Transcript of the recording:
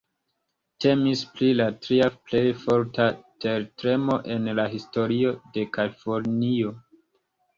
Temis pri la tria plej forta tertremo en la historio de Kalifornio.